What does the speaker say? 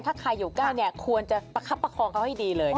ถ้าใครอยู่ใกล้เนี่ยควรจะประคับประคองเขาให้ดีเลย